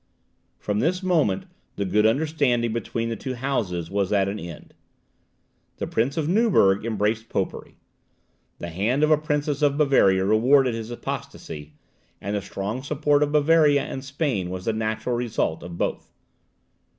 From this moment the good understanding between the two houses was at an end. The Prince of Neuburg embraced popery. The hand of a princess of Bavaria rewarded his apostacy, and the strong support of Bavaria and Spain was the natural result of both.